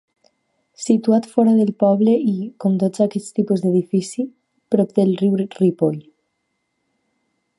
Situat fora del poble i, com tots aquests tipus edificis, prop del riu Ripoll.